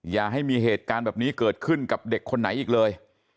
อย่าให้มีเหตุการณ์แบบนี้เกิดขึ้นกับเด็กคนไหนอีกเลย